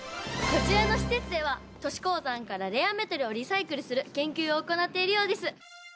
こちらの施設では都市鉱山からレアメタルをリサイクルする研究を行っているようです。